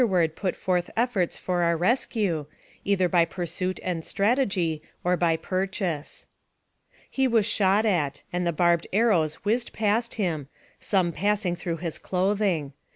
29 ward put forth efforts for our rescue, either by pur suit and strategy, or by purchase. He was shot at, and the barbed arrows whizzed past him, some passing through his clothing.